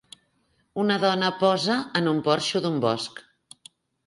Una dona posa en un porxo d'un bosc.